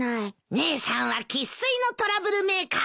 姉さんは生粋のトラブルメーカーだったんだね。